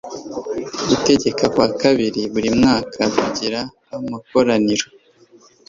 gutegeka kwa kabiri buri mwaka tugira amakoraniro